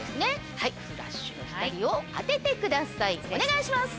お願いします。